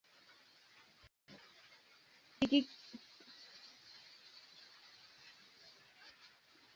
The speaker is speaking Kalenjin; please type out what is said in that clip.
Kikeere komonutiet agot eng tuguuk che mengeech eng betut age tugul